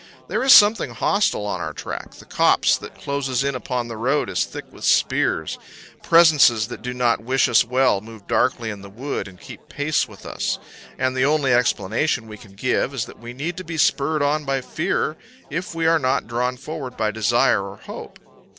There is something hostile on our track: the copse that closes in upon the road is thick with spears; presences that do not wish us well move darkly in the wood and keep pace with us, and the only explanation we can give is that we need to be spurred on by fear if we are not drawn forward by desire or hope.